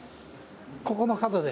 ここの角で？